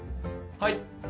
はい。